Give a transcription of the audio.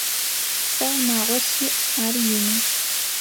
Сэ унагъо сиӏ, ар ины.